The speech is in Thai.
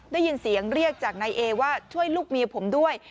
ได้ยินเสียงเรียกจากนายเอว่าช่วยลูกเมียผมด้วย